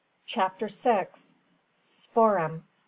CHAPTER SIX. SPOOR'EM.